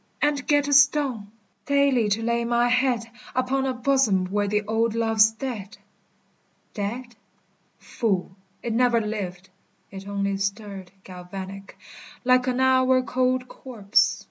And get a stone! Daily to lay my head Upon a bosom where the old love's dead! Dead? Fool! It never lived. It only stirred Galvanic, like an hour cold corpse.